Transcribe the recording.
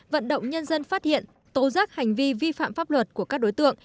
vận động nhân dân phát hiện tố giác hành vi vi phạm pháp luật của các đối tượng